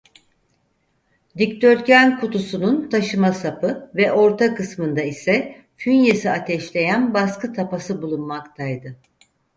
Dikdörtgen kutusunun taşıma sapı ve orta kısmında ise fünyesi ateşleyen baskı tapası bulunmaktaydı.